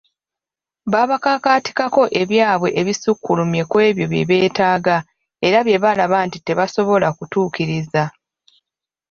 Babakakaatikako ebyabwe ebisukkulumye ku ebyo bye beetaaga era bye balaba nti tebasobola kutuukiriza.